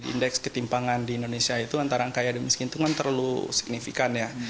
indeks ketimpangan di indonesia itu antara yang kaya dan miskin itu kan terlalu signifikan ya